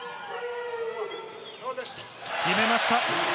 決めました。